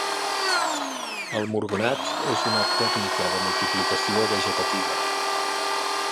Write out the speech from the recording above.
El murgonat és una tècnica de multiplicació vegetativa.